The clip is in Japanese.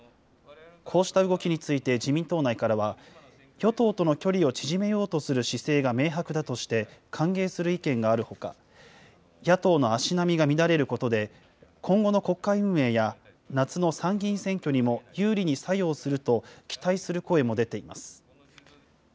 こうした動きについて自民党内からは、与党との距離を縮めようとする姿勢が明白だとして、歓迎する意見があるほか、野党の足並みが乱れることで、今後の国会運営や、夏の参議院選挙にも有利に作用すると期待する声も出ています。